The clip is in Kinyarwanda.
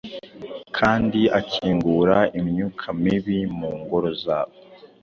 kandi akingura imyuka mibi mu ngoro zabo,